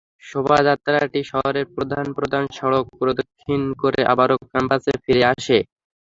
শোভাযাত্রাটি শহরের প্রধান প্রধান সড়ক প্রদক্ষিণ করে আবারও ক্যাম্পাসে ফিরে আসে।